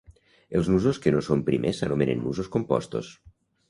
Els nusos que no són primers s'anomenen nusos compostos.